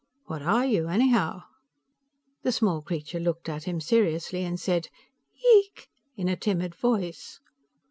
What are you anyhow?" The small creature looked at him seriously and said, "Yeek," in a timid voice.